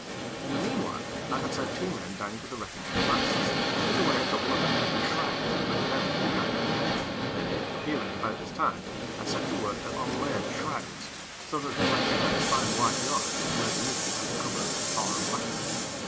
In the meanwhile, I had sent two men down to the wreckage of the masts to cut away a couple of the hempen shrouds and bring them to the camp, and they, appearing about this time, I set to work to unlay the shrouds, so that they might get out the fine white yarns which lay beneath the outer covering of tar and blacking.